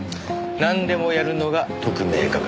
なんでもやるのが特命係。